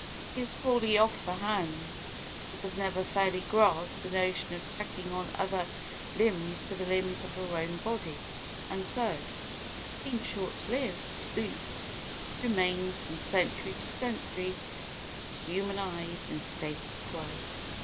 She is poorly off for hands, and has never fairly grasped the notion of tacking on other limbs to the limbs of her own body and so, being short lived to boot, she remains from century to century to human eyes in statu quo.